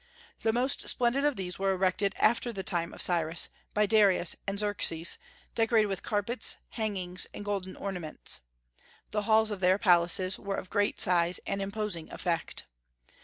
The most splendid of these were erected after the time of Cyrus, by Darius and Xerxes, decorated with carpets, hangings, and golden ornaments. The halls of their palaces were of great size and imposing effect.